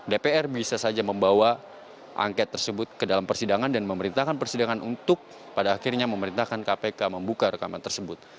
dpr bisa saja membawa angket tersebut ke dalam persidangan dan memerintahkan persidangan untuk pada akhirnya memerintahkan kpk membuka rekaman tersebut